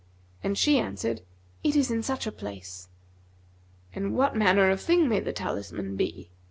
and she answered, 'It is in such a place.' 'And what manner of thing may the talisman be?'